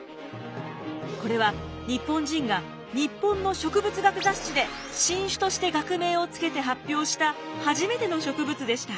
これは日本人が日本の植物学雑誌で新種として学名をつけて発表した初めての植物でした。